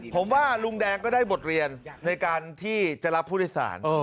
ผมว่าลุงแดงก็ได้บทเรียนในการที่จะรับผู้โดยสาร